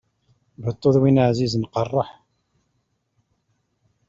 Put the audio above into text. Beṭṭu d wi ɛzizen qeṛṛeḥ.